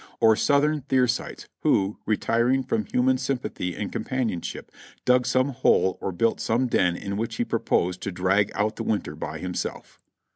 or Soiitliern Thersites, who, re tiring from human sympathy and companionship, dug some hole or built some den in which he proposed to drag out the winter by himself.